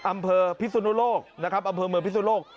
อำเภอพิศนุโลกนะครับอำเภอเมืองพิศนุโลก